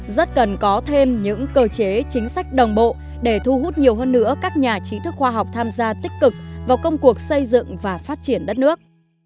rất cần có thêm những cơ chế chính sách đồng bộ để thu hút nhiều hơn nữa các nhà trí thức khoa học tham gia tích cực vào công cuộc xây dựng và phát triển đất nước